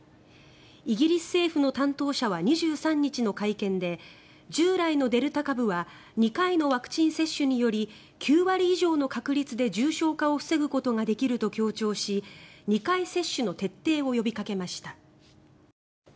イギリス政府の担当者は２３日の会見で従来のデルタ株は２回のワクチン接種により９割以上の確率で重症化を防ぐことができると強調し２回接種の徹底を呼びかけました。